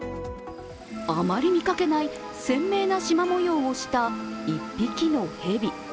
あまり見かけない鮮明なしま模様をした１匹の蛇。